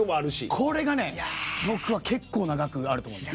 これが僕は結構な額があると思います。